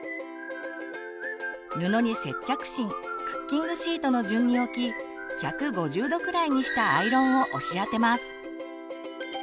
布に接着芯クッキングシートの順に置き１５０℃くらいにしたアイロンを押し当てます。